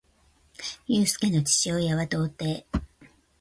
ゆうすけの父親は童貞